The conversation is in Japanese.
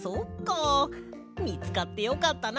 みつかってよかったな！